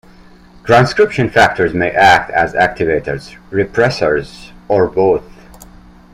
Transcription factors may act as activators, repressors, or both.